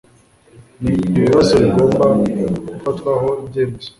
n ibibazo bigomba gufatwaho ibyemezo